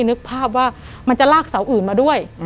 นึกภาพว่ามันจะลากเสาอื่นมาด้วย